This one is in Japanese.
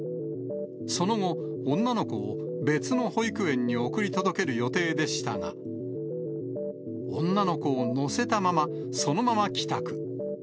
その後、女の子を別の保育園に送り届ける予定でしたが、女の子を乗せたまま、そのまま帰宅。